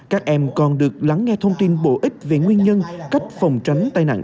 các em còn được lắng nghe thông tin bổ ích về nguyên nhân cách phòng tránh tai nạn